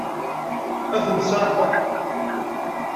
Ad tent-tseɛfeḍ?